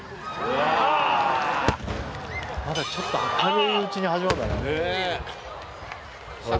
まだちょっと明るいうちに始まるんだね。